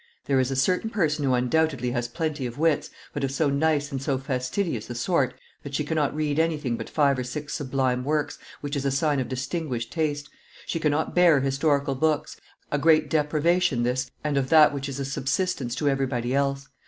"There is a certain person who undoubtedly has plenty of wits, but of so nice and so fastidious a sort, that she cannot read anything but five or six sublime works, which is a sign of distinguished taste. She cannot bear historical books; a great deprivation this, and of that which is a subsistence to everybody else.